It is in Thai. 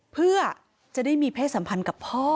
เพื่อจะได้มีเพศสัมพันธ์กับพ่อ